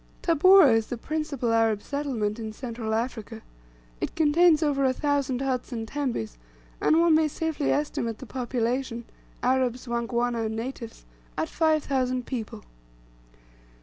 Tabora* is the principal Arab settlement in Central Africa. It contains over a thousand huts and tembes, and one may safely estimate the population, Arabs, Wangwana, and natives, at five thousand people.